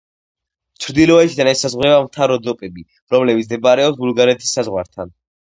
ჩრდილოეთიდან ესაზღვრება მთა როდოპები, რომელიც მდებარეობს ბულგარეთის საზღვართან.